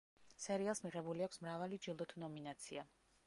სერიალს მიღებული აქვს მრავალი ჯილდო თუ ნომინაცია.